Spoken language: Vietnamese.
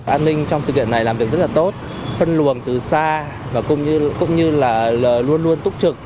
an ninh trong sự kiện này làm việc rất là tốt phân luồng từ xa và cũng như là luôn luôn túc trực